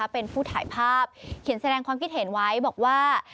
เป็นผู้ถ่ายภาพเขียนแสดงความคิดเห็นไว้บอกว่า